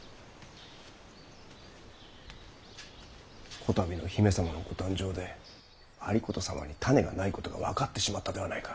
こたびの姫様のご誕生で有功様に胤がないことが分かってしまったではないか。